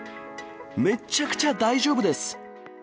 めっちゃくちゃ大丈夫です！